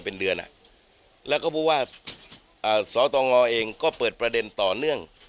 เปิดประเด็นต่อเนื่อง